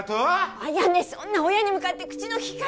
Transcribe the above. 彩音そんな親に向かって口の利き方。